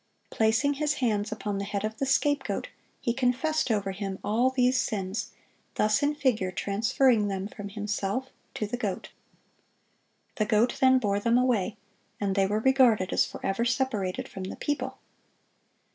Placing his hands upon the head of the scapegoat, he confessed over him all these sins, thus in figure transferring them from himself to the goat. The goat then bore them away, and they were regarded as forever separated from the people.